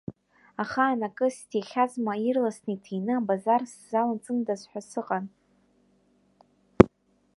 Ахаан акы сҭихьазма, ирласны иҭины абазар сзалҵындаз қәа сыҟан.